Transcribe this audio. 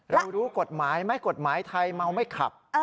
รู้กฎหมายไหมกฎหมายไทยเมาไม่ขับ